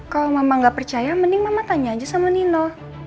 kalau mama nggak percaya mending mama tanya aja sama nino